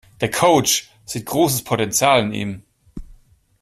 Der Coach sieht großes Potenzial in ihm.